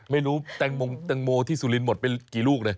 ไม่รู้แตงโมที่สุรินทร์หมดไปกี่ลูกเลย